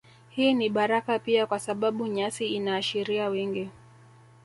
Hii ni baraka pia kwa sababu nyasi inaashiria wingi